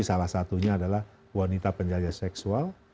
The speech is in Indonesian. salah satunya adalah wanita penjaga seksual